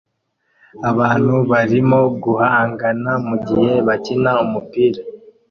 Abantu barimo guhangana mugihe bakina umupira